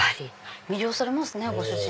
魅了されますねご主人。